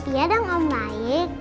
iya dong om baik